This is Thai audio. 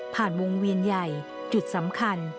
วงเวียนใหญ่จุดสำคัญ